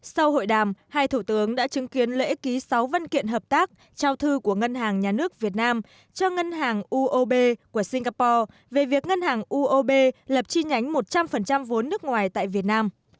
sau hội đàm hai thủ tướng đã chứng kiến lễ ký sáu văn kiện hợp tác trao thư của ngân hàng nhà nước việt nam cho ngân hàng uob của singapore về việc ngân hàng uob lập chi nhánh một trăm linh vốn nước ngoài tại việt nam